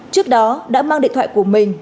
trước đó đã mang điện thoại của mình